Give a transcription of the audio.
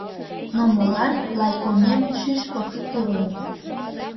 Но молан лай омем шӱшпык кӱрлын?